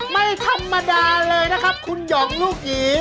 ไม่ธรรมดาเลยนะครับคุณหย่องลูกหยี